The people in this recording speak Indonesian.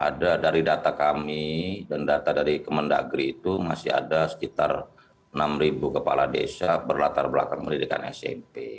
ada dari data kami dan data dari kemendagri itu masih ada sekitar enam kepala desa berlatar belakang pendidikan smp